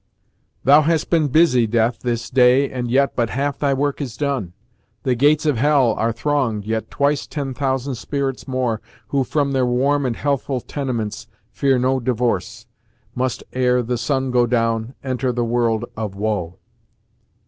"Thou hast been busy, Death, this day, and yet But half thy work is done! The gates of hell Are thronged, yet twice ten thousand spirits more Who from their warm and healthful tenements Fear no divorce; must, ere the sun go down, Enter the world of woe!"